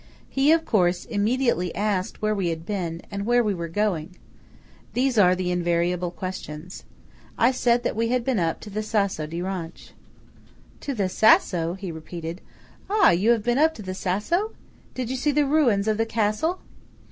He, of course, immediately asked where we had been, and where we were going. These are the invariable questions. I said that we had been up to the Sasso di Ronch. "To the Sasso!" he repeated. "Ah, you have been up to the Sasso! Did you see the ruins of the Castle?"